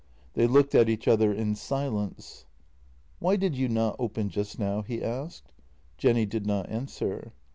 They looked at each other in silence. " Why did you not open just now? " he asked. Jenny did not answer.